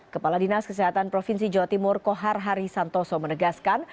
kepala dinas kesehatan provinsi jawa timur kohar hari santoso menegaskan